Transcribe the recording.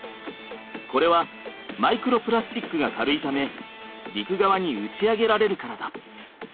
これはマイクロプラスチックが軽いため陸側に打ち上げられるからだ。